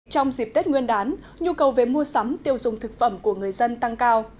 trong dịp tết nguyên đán nhu cầu về mua sắm tiêu dùng thực phẩm của người dân tăng cao